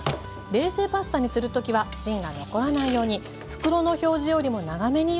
冷製パスタにする時は芯が残らないように袋の表示よりも長めにゆでましょう。